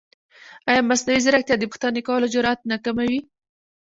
ایا مصنوعي ځیرکتیا د پوښتنې کولو جرئت نه کموي؟